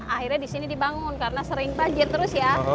akhirnya disini dibangun karena sering pajit terus ya